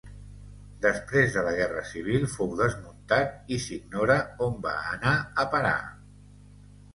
Després de la Guerra Civil fou desmuntat i s'ignora on va anar a parar.